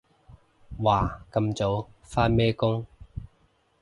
哇咁早？返咩工？